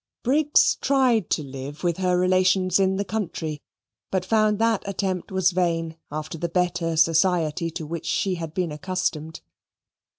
Briggs tried to live with her relations in the country, but found that attempt was vain after the better society to which she had been accustomed.